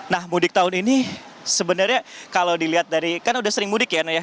nah mudik tahun ini sebenarnya kalau dilihat dari kan udah sering mudik ya